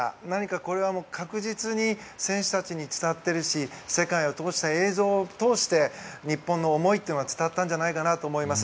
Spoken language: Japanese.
これは確実に選手たちに伝わっているし世界を通した映像を通して日本の思いというのが伝わったんじゃないかなと思います。